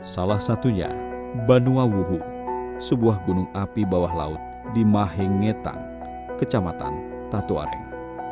salah satunya banuawuhu sebuah gunung api bawah laut di mahengetang kecamatan tatuareng